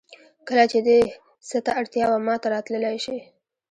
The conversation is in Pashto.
کله چې دې څه ته اړتیا وه ماته راتللی شې